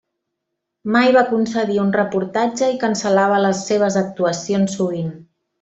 Mai va concedir un reportatge i cancel·lava les seves actuacions sovint.